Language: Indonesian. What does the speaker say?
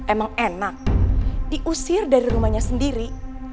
emang enak diusir dari rumahnya sendiri